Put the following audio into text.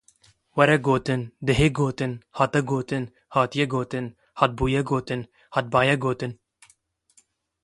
were gotin, dihê gotin, hate gotin, hatiye gotin, hat bûye gotin, hatbaye gotin